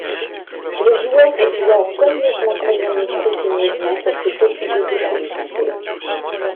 Le joueur doit soigneusement chronométrer ses mouvements pour se faufiler devant les fantômes.